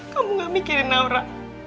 kamu gak mikirin naura